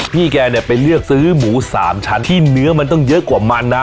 พี่แกเนี่ยไปเลือกซื้อหมู๓ชั้นที่เนื้อมันต้องเยอะกว่ามันนะ